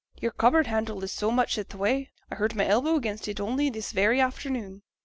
'Your cupboard handle is so much i' th' way I hurt my elbow against it only this very afternoon.'